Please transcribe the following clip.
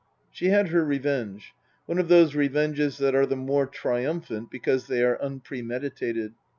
She had her revenge. One of those revenges that are the more triumphant because they are unpremeditated.